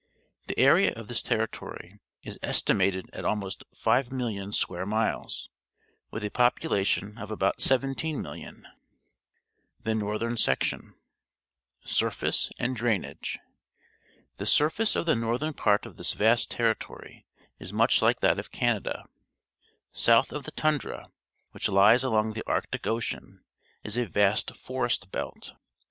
The area of this territory is estimated at almost 5,000,000 square miles, with a population of about 17,000,000. THE NORTHERN SECTION Surface and Drainage. — The surface of the northern part of this vast territory is much Hke that of Canada. South of the tundra, which lies along the Arctic Ocean, is a vast forest belt.